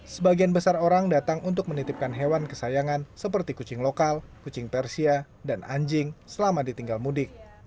sebagian besar orang datang untuk menitipkan hewan kesayangan seperti kucing lokal kucing persia dan anjing selama ditinggal mudik